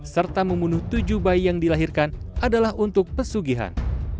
serta membunuh tujuh bayi yang dilahirkan adalah untuk pesugihan